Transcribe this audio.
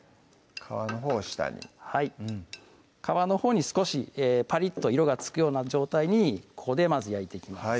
皮のほうを下にはい皮のほうに少しパリッと色がつくような状態にここでまず焼いていきます